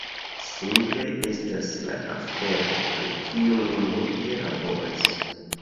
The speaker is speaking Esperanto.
simple estas la afero pri kiu mi multe laboris